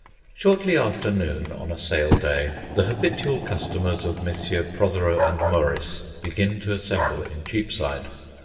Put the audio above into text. Shortly after noon on a sale day, the habitual customers of Messrs. Protheroe and Morris begin to assemble in Cheapside.